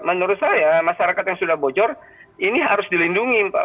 menurut saya masyarakat yang sudah bocor ini harus dilindungi